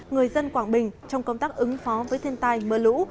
người dân quảng bình trong công tác ứng phó với thiên tai mưa lũ